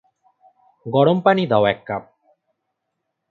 গরম পানি দাও এক কাপ।